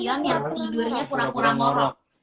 katanya kalau kion yang tidurnya pura pura ngorok